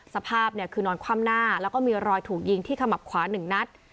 สภาพคือนอนความหน้าและมีรอยถูกยิงที่ขมับขวาหนึ่งนัด